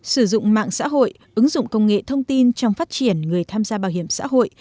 sử dụng mạng xã hội ứng dụng công nghệ thông tin trong phát triển người tham gia bảo hiểm xã hội